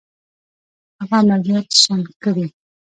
هغه عملیات شنډ کړي.